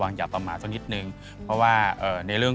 เขาเป็นเกลือเราเป็นพิมเซน